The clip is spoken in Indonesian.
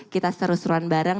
kita seru seruan bareng